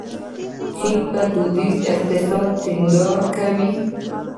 چین په دودیز اقتصاد ټینګار کاوه.